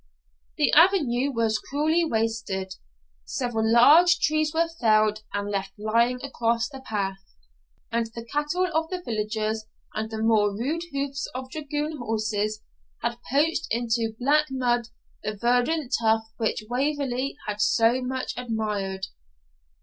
The avenue was cruelly wasted. Several large trees were felled and left lying across the path; and the cattle of the villagers, and the more rude hoofs of dragoon horses, had poached into black mud the verdant turf which Waverley had so much admired.